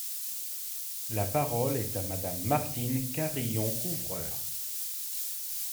La parole est à Madame Martine Carrillon-Couvreur.